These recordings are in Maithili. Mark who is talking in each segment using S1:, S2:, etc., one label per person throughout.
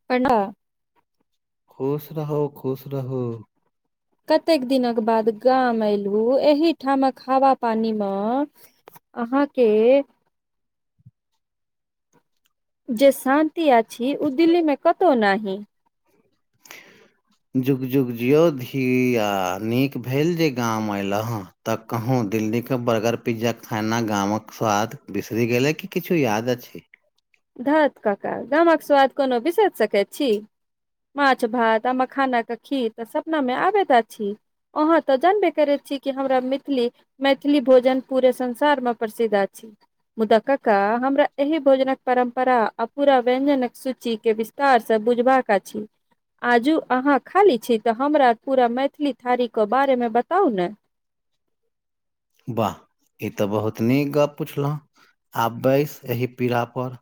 S1: [unintelligible]
S2: खुश रहु खुश रहु
S1: कतेक दिनक बाद गाम एयलहु एहि ठामक हवा पानीमे अहाँके जे शान्ति अछि ओ दिल्ली मे कतहु नहि
S2: जुग जुग जियौ धिया नीक भेल जे गाम अयलहु हेँ तऽ कहूँ दिल्लीके बर्गर पिज्जा खाना गामक स्वाद बिसरि गेलै कि किछु याद अछि
S1: धत काका गामक स्वाद कोनो बिसरि सकैत छी माछ भात आ मखाना के खीर तऽ सपना मे आबैत अछि अहाँ तऽ जानबे करै छी कि हमरा मैथिली मैथिली भोजन पूरे संसार मे प्रसिद्ध अछि मुदा काका हमरा एहि भोजनक परम्परा आ पूरा व्यंजनक सूची के विस्तार से बुझबाक अछि आजू अहाँ खाली छी तऽ हमरा पूरा मैथिली थारीके बारेमे बताउ ने
S2: वाह ई तऽ बहुत नीक गप पुछलहुँ आब बैस एह पीड़ पर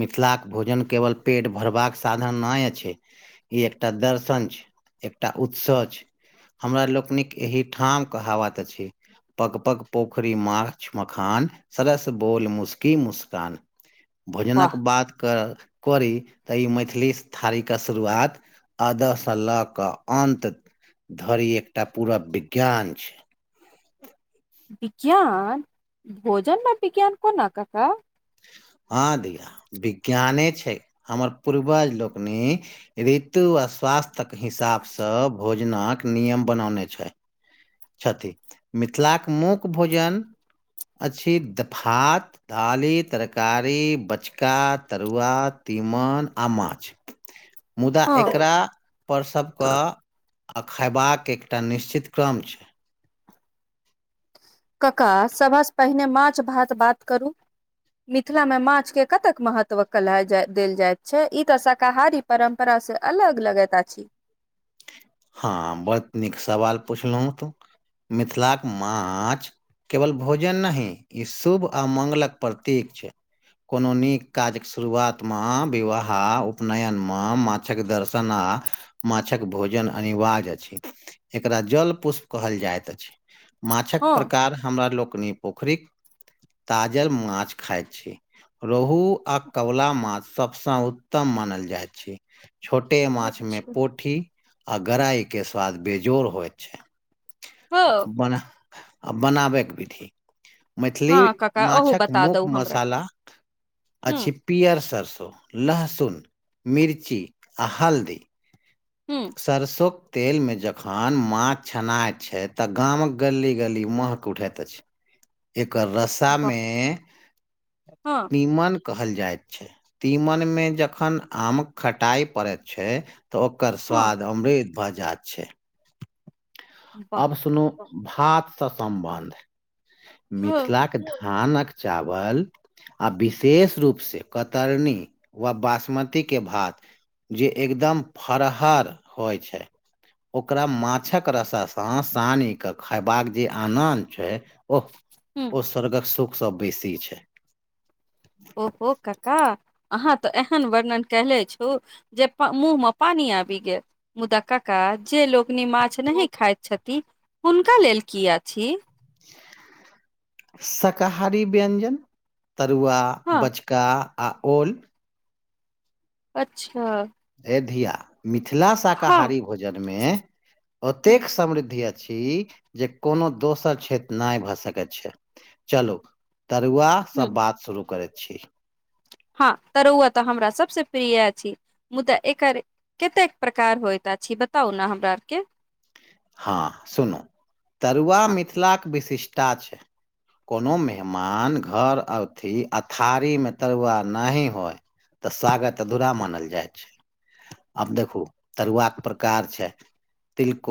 S2: मिथिलाके भोजन केवल पेट भरबाक साधन नहि अछि ई एकटा दर्शन छै एकटा उत्सव छै हमरा लोकनिक एहिठाम कहावत अछि पग पग पोखरि माछ मखान सरस बोल मुस्की मुस्कान भोजनक
S1: वाह
S2: बात कर करी तऽ ई मैथिली स थारीके शुरुआत अदह से लऽ कऽ अन्त धरि एकटा पूरा विज्ञान छै
S1: विज्ञान भोजनमे विज्ञान कोना कऽ का
S2: हँ दैया विज्ञाने छै हमर पूर्वज लोकनि ऋतु आ स्वास्थ तक हिसाबसँ भोजनक नियम बनौने छै छथि मिथिलाक मुख्य भोजन अछि दऽ भात दिली तरकारी बचका तरुआ तीमन आ माछ
S1: [inaudible]
S2: मुदा
S1: हँ
S2: एकरा पर सभकेँ आ खयबाक एकटा निश्चित क्रम छै
S1: काका सभसँ पहिने माछ भात बात करू मिथिला मे माछ के कतेक महत्व कलह देल जायत छै ई तऽ शाकाहारी परम्परा से अलग लगैत अछि
S2: हँ बड़ नीक सवाल पुछलहुँ तु मिथिलाक माछ केवल भोजन नहि ई शुभ आ मङ्ंगलक प्रतीक छै कोनो नीक काजक शुरुआतमे विवाह आ उपनयनमे माछके दर्शन आ माछक भोजन अनिवार्य अछि एकरा जल पुष्प कहल जाइत अछि माछक
S1: हँ
S2: प्रकार हमरा लोकनि पोखरिक ताजल माछ खायत छी रोहु आ कबला माछ सबसँ उत्तम मानल जाइ छै छोटे माछमे
S1: अच्छा
S2: पोठी आ गराइ के स्वाद बेजोर होइत छै
S1: हँ
S2: बनः आ बनाबैक विधि मैथिली
S1: हँ काका ओहो
S2: माछक
S1: बता
S2: मूख
S1: दू हमरा
S2: मसाला
S1: हूँ
S2: अछि पियर सरसो लहसुन मिर्ची आ हल्दी
S1: हुँ
S2: सरसोक तेलमे जखन माछ छनाइ छै तऽ गामक गली-गली मह उठैत अछि।
S1: [inaudible]
S2: एकर रसा
S1: वाह
S2: मे
S1: हँ
S2: तिमन कहल जाइत छै तीमन मे जखन आम खटाइ पड़ैत छै तऽ ओकर
S1: हँ
S2: स्वाद अमृत भऽ जाइत छै
S1: वाह
S2: अब सुनू भातसँ सम्बन्ध
S1: हँ
S2: मिथिलाक धानक चावल आ विशेष रूप से कतरनी व बासमती के भात जे एकदम फरहर होइ छै ओकरा मात छक रसा सांस सानी कऽ खैबाक जे आनन्द छै ओह
S1: हूँ
S2: ओ स्वर्ग कऽ सुख सँ बेसी छै
S1: ओहो कक्का अहाँ तऽ एहन वर्णन कैले छु जे प मुँहमे पानि आबि गेल मुदा कक्का जे लोक कनी माछ नहि खाइत छथि हुनका लेल की अछि
S2: शाकाहारी व्यंजन तरुआ
S1: हँ
S2: बचका आ ओल
S1: अच्छा
S2: ह धिया मिथिला
S1: हँ
S2: शाकाहारी भोजनमे ओतेक समृद्धि अछि जँ कोनो दोसर क्षेत्र नहि भऽ सकैत छै चलू तरुआ
S1: ह
S2: सँ बात शुरू करैत छी
S1: हँ तरुआ तऽ हमरा सबसँ प्रिय अछि मुदा एकर कतेक प्रकार होइत अछि बताउ ने हमरा आरके
S2: हँ सुनू तरुआ
S1: ह
S2: मिथिलाक विशिष्टा छै कोनो मेहमान घर औथि आ थारीमे तरुआ नहि होय तऽ स्वागत अधूरा मानल जाइ छै अब देखू तरुआ कऽ प्रकार छै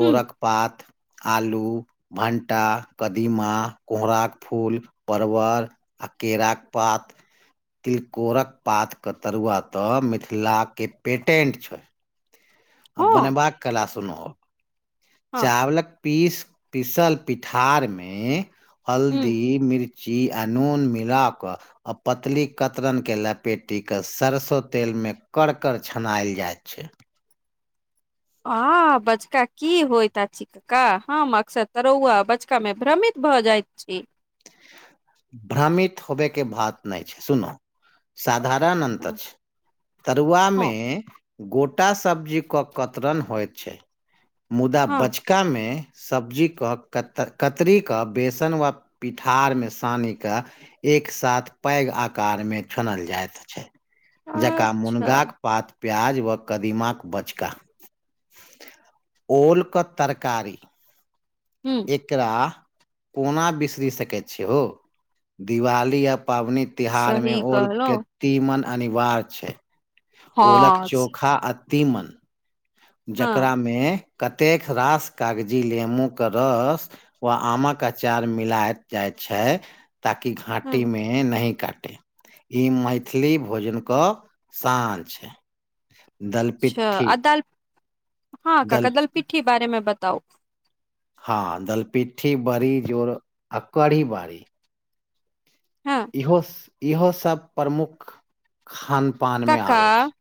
S1: हँ
S2: पात आलू भंटा कदीमा कोहराक फूल परवर आ केराक पात तिलकोरक पातके तरुआ तऽ मिथिलाके पेटेन्ट छै आ
S1: हँ
S2: बनेबाक कला सुनहो चावलक पीस पीसल पिठार मे
S1: ह
S2: हल्दी मिर ची आ नून मिला कऽ अऽ पतली कतरन के लपेटी के सरसों तेल मे कर-कर छनायल जाय छै
S1: हँ बजका की होयत आछि का हम अक्सर तरौआ बचका मे भ्रमित भऽ जाइत छी।
S2: भ्रामित होबयके बात नहि छै सुनु साधारण अन्त
S1: हँ
S2: छै। तरुआमे गोटा सब्जी के कतरन होइत छै। मुदा
S1: हँ
S2: बच चक्का मे सब्जीके कतरीीक के बेसन वा पिठार मे सानी कऽ एक साथ पैघ आकार मे छनल जाइत छै। जकाँ
S1: अच्छा
S2: मुनगाक पात प्याज वा कदीमाक बचका। ओलके तरकारी
S1: हू
S2: एकरा कोना बिसरी सकै छी। हो दिवाली आ पाबनि तिहारमे
S1: सही
S2: ओलके
S1: कहलौं
S2: तीमन अनिवार्य छै। ओलक
S1: हँ
S2: चोखा आ तीमन।
S1: हँ
S2: जकरामे कतेक रास कागजी नेेमू के रस वा आमक अचार मिलााय जाइ छै। ताकि
S1: हँ
S2: घाटी मे नहि काटे। ई मैथिली भोजन कऽ शान छै।
S1: अच्छा
S2: दलपिट्ठी।
S1: आ दाल हँ काका
S2: दल
S1: दलपिठ्ठी बारे मे बताउ।
S2: हँ दल पिट्ठी बड़ी जोर आ कढ़ी बरीी।
S1: हँ।
S2: इहो इहो सब प्रमुख खान पान मे
S1: कका
S2: आबै छै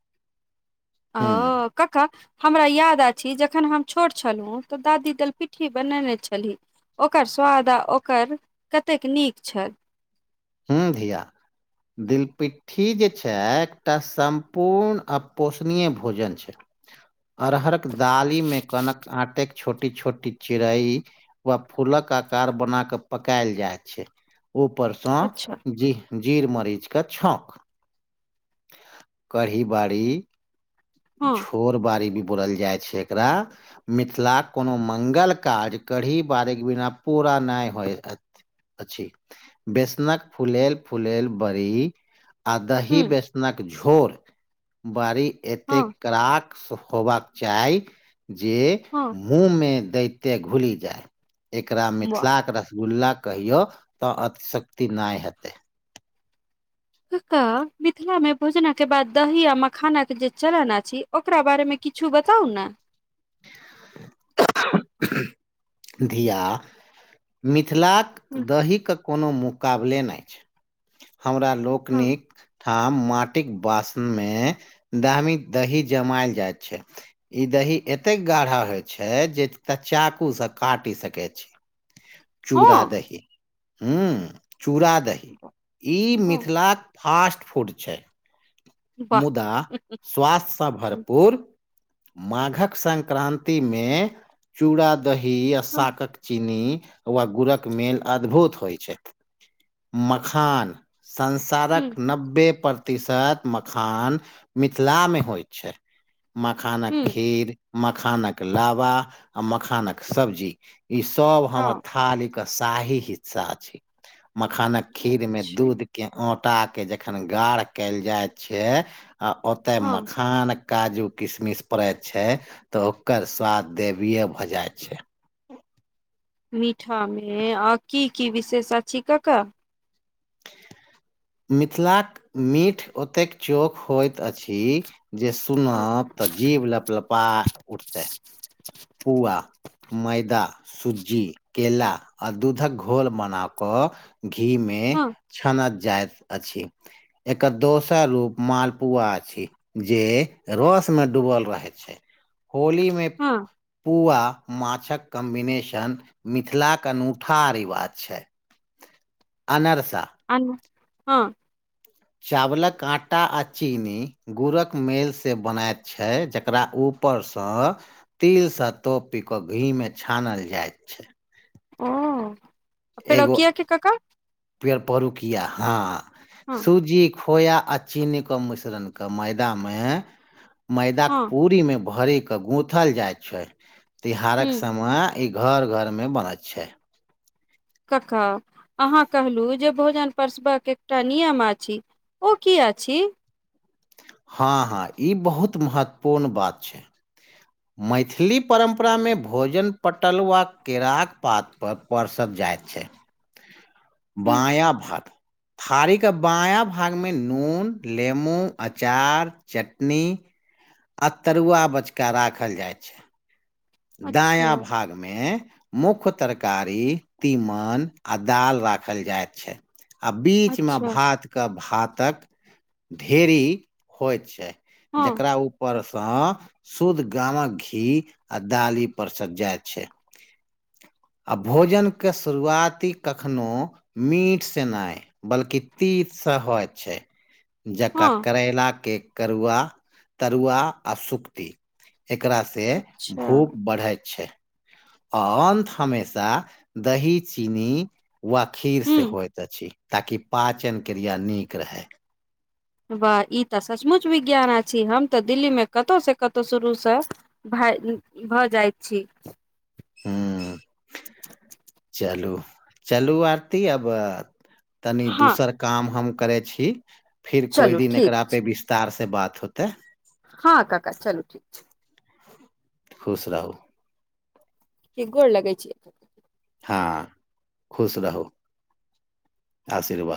S2: हूँ
S1: ओ कका हमरा याद अछि। जखन हम छोट छलहुँ। तऽ दादी दलपिट्ठी बनेने छली। ओकर स्वाद आ ओकर कतेक नीक छल।
S2: हू धिया। दिलपिट्ठी जे छै। एकटा सम्पूर्ण आ पोषणीय भोजन छै।
S1: [inaudible]
S2: अरहरक दालिमे कनक आटेक छोटी - छोटी चिड़ई व फूलक आकार बना कऽ पकायल जाय छै। ऊपरसँ
S1: अच्छा
S2: जी - जीर मरीच केँ छौक कढ़ी बारी
S1: हँ
S2: झोर बारी भी बोलल जाइ छै एकरा मिथिलाक कोनो मंगल कार्य कढ़ी बारी कऽ बिना पूरा नहि होइ अछि। बेसनक फुलेल फुलेल बरी आ दही
S1: हूँ
S2: बेसनक झोर बरी
S1: हँ
S2: एतेक कड़ाक होबाक चाय जे
S1: हँ
S2: मुँहमे दैइते घुली जाय एकरा
S1: वाह
S2: मिथिला कऽ रसगुल्ला कहियो तऽ अतिशक्ति नय हेतै
S1: कक्का मिथिला मे भोजनऽ केँ बाद दही आ मखाना केँ जे चलन अछि ओकरा बारे मे किछु बताउ नऽ
S2: धिया मिथिलाक
S1: हँ
S2: दही कऽ कोनो मुकाबले नय छै हमरा
S1: हँ
S2: लोकनिक ठाम माटिक बासन मे दामी दही जमायल जाइत छै ई दही एतेक गाढ़ा होय छै जे च चाकू सँ काटि सकैत छी। चूड़ा दही हूँ चूड़ा दही ई
S1: हँ
S2: मिथिलाक फास्ट फूड छै
S1: वाह!
S2: मुदा स्वास्थसँ भर पूर माघक संक्रान्तिमे चूड़ा दही आ
S1: हाँ,
S2: शाकक चीनी वा गुड़क मेल अद्भुत होइ छै मखान संसारक
S1: हुँ,
S2: नब्बे प्रतिशत मखान मिथिला मे होइ छै। मखानक
S1: हुँ,
S2: खीर मखानक लाबा आ मखानक सब्जी ई सब हमर
S1: हँ,
S2: थालीक कऽ शाही हिस्सा अछि मखानक खीर मे
S1: अच्छा,
S2: दूध केँ ओटा केँ जखन गाढ़ कयल जाइत छै आ ओते
S1: हँ,
S2: मखान काजू किशमिश पड़ैत छै तऽ ओकर स्वाद देवीय भऽ जाइत छै
S1: मीठामे आ की की विशेष अधि कक्का
S2: मिथिलाक मीठ ओतेक चोक होइत अछि जे
S1: हँ,
S2: सुनत तऽ जीव लपलपा उठतै पुआ मैदा, सुज्जी, केेल आ दूधक घोल बना कऽ घी मे
S1: हँ,
S2: छानत जाइत अछि एकर दोसर रूप मालपुआ अछि जे रस मे डूबल रहै छै होली मे
S1: हँ
S2: पूआ माछक कम्बिनेशन मिथिलाक अनूठा रिवाज छै अनरसा
S1: आ हँ
S2: चावलक आटा आ चीनी गुड़क मेलसँ बनैत छै जकरा परसँ तिल सँ तोपी कऽ घी मे छानल जायत छै
S1: हँ आ
S2: एगो
S1: पेरकिया केँ कक्का
S2: पेड़ परूकिया हँ
S1: हँ,
S2: सूजी खोया आ चीनी कऽ मिश्रण कऽ मैदा मे मैदा के
S1: हँ,
S2: पूरी में भरे के गूंथल जाय छै तिहारक
S1: हुँ,
S2: समय ई घर घरमे बनैत छै
S1: कका अहाँ कहलहुँ जे भोजन पसबाक एकटा नियम अछि ओ किया छी
S2: हँ हँ ई बहुत महत्वपूर्ण बात छै
S1: [inaudible]
S2: मैथिली परम्परामे भोजन पटलआा केराक पातपर पररसर जाइत छै
S1: [inaudible]
S2: बायाँ भाग थारी के बायाँ भागमे नून लेमू अचार अचार चटनी आ तरुआ बचका राखल जाय छै दाया
S1: अच्छा,
S2: भाग मे मुख्य तरकारी तीमन आ दाल राखल जाय छै आ बीचमे
S1: अच्छा,
S2: भात कऽ भातक ढेरी होइत छै
S1: हँ,
S2: जकरा ऊपरसँ शुद्ध गामक घी आ दाली परसल जाइत छै आ भोजनके शुरुआती कखनो मीटसँ नहि बल्कि तीत सँ होइ छै जक
S1: हँ,
S2: करैला के करुआ तरुआ आ सुक्ती एकराास सऽ
S1: अच्छा,
S2: भूख बढ़ै छै आ अन्त हमेशा दही चीनी वा खीर से
S1: हुँ,
S2: होइत अछि ताकि पाचन क्रिया नीक रहय
S1: वाह ई तऽ सचमुच विज्ञाना छी हम तऽ दिल्लीमे कतहुसँ कतहु शुरूसँ भए भऽ जाइ छी।
S2: हू, चलू-चलू, आरती आब। तनी
S1: हँ
S2: दोसर काम हम करै छी, फिर
S1: चलू
S2: कोई दिन
S1: ठीक
S2: एकरा पे वि्त तार सऽ बात होतै
S1: हँ काका चलू ठीक छै
S2: खुश रहू
S1: की गे गोर लगाै छिएथ
S2: हँ, खुश रहू। आशीर्वाद।